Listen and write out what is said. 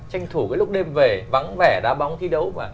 tranh thủ cái lúc đêm về vắng vẻ đá bóng thi đấu